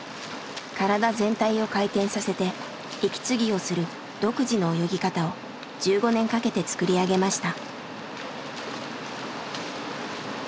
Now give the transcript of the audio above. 体全体を回転させて息継ぎをする独自の泳ぎ方を１５年かけて作り上げました。